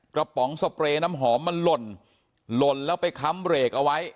ป๋องสเปรย์น้ำหอมมันหล่นหล่นแล้วไปค้ำเรกเอาไว้